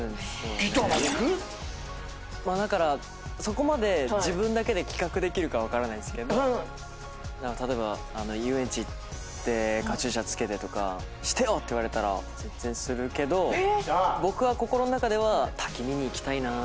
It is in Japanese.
ギターまでいく⁉だからそこまで自分だけで企画できるか分からないけど例えば遊園地行ってカチューシャ着けてとか「してよ！」って言われたら全然するけど僕は心の中では。